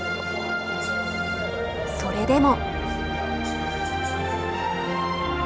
それでも。